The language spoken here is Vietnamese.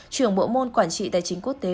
trưởng bộ môn quản trị tài chính quốc tế